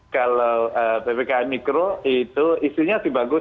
kalau ppkm mikro itu isinya sih bagus